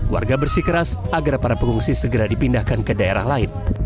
warga bersikeras agar para pengungsi segera dipindahkan ke daerah lain